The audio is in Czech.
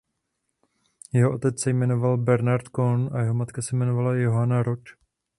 Jeho otec se jmenoval Bernard Kohn a jeho matka se jmenovala Johanna rod.